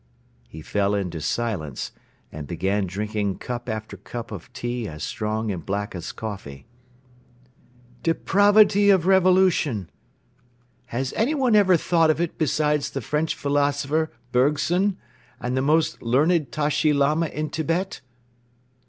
He fell into silence and began drinking cup after cup of tea as strong and black as coffee. "Depravity of revolution! ... Has anyone ever thought of it besides the French philosopher, Bergson, and the most learned Tashi Lama in Tibet?"